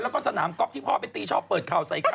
แล้วก็สนามก๊อปที่พ่อไปตีชอบเปิดข่าวใส่ไข่